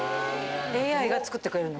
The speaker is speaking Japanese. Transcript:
ＡＩが作ってくれるの⁉